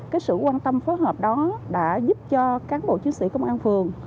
cái sự quan tâm phối hợp đó đã giúp cho cán bộ chiến sĩ công an phường